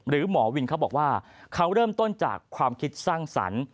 หรือหมอวินเขาบอกว่าเขาเริ่มต้นจากความคิดสร้างสรรค์